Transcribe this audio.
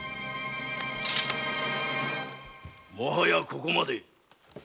もはやこれまで。